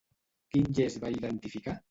Quin gest va identificar?